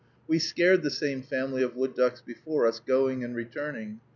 We scared the same family of wood ducks before us, going and returning.